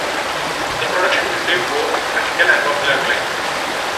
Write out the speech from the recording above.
The production received both critical and popular acclaim.